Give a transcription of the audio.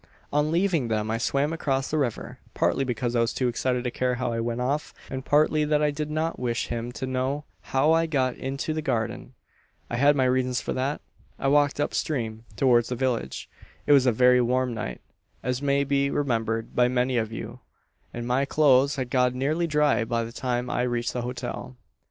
"On leaving them I swam across the river; partly because I was too excited to care how I went off, and partly that I did not wish him to know how I had got into the garden. I had my reasons for that. I walked on up stream, towards the village. It was a very warm night as may be remembered by many of you and my clothes had got nearly dry by the time I reached the hotel.